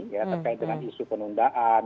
ya terkait dengan isu penundaan